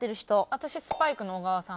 私スパイクの小川さん